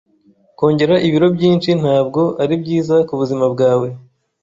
Kongera ibiro byinshi ntabwo ari byiza kubuzima bwawe.